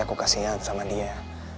aku kasihan sama dia